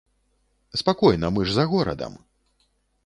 Спакойна, мы ж за горадам!